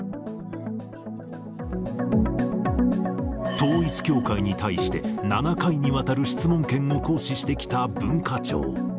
統一教会に対して、７回にわたる質問権を行使してきた文化庁。